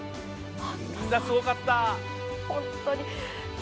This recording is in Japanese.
みんなすごかった。